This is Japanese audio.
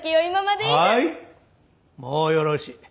はいもうよろしい。